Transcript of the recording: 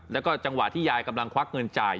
แล้วก็จังหวะที่ยายกำลังควักเงินจ่าย